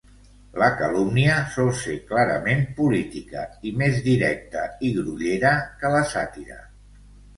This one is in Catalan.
La calúmnia sol ser clarament política i més directa i grollera que la sàtira.